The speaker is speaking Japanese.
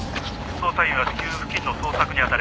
「捜査員は至急付近の捜索に当たれ」